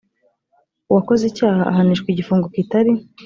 uwakoze icyaha ahanishwa igifungo kitari